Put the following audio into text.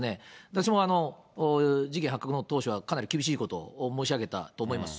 私も事件発覚の当初は、かなり厳しいことを申し上げたと思います。